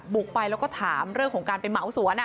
บุกไปแล้วก็ถามเรื่องของการไปเหมาสวน